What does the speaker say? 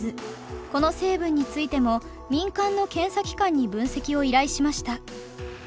この成分についても民間の検査機関に分析を依頼しました。